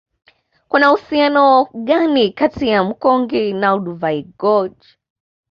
Kuna uhusiano gani kati ya mkonge na Olduvai Gorge